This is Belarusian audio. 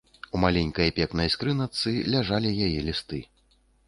У маленькай пекнай скрыначцы ляжалі яе лісты.